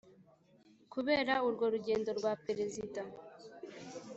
kubera urwo rugendo rwa perezida